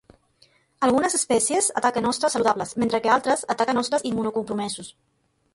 Algunes espècies ataquen hostes saludables, mentre que altres ataquen hostes immunocompromesos.